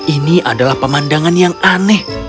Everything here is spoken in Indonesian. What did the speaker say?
ini adalah pemandangan yang aneh